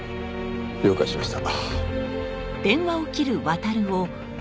了解しました。